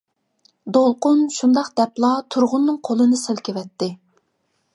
دولقۇن شۇنداق دەپلا تۇرغۇننىڭ قولىنى سىلكىۋەتتى.